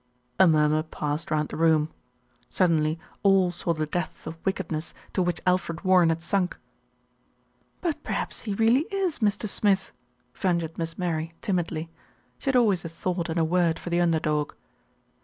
A murmur passed round the room. Suddenly all saw the depths of wickedness to which Alfred Warren had sunk. "But perhaps he really is Mr. Smith," ventured Miss Mary, timidly. She had always a thought and a word for the under dog.